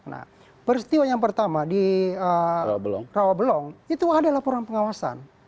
nah peristiwa yang pertama di rawabelong itu ada laporan pengawasan